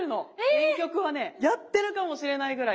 ⁉原曲はねやってるかもしれないぐらい